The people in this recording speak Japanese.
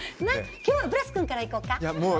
今日はブラス君から行こか？